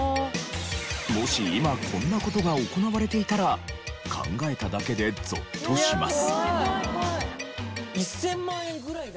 もし今こんな事が行われていたら考えただけでゾッとします。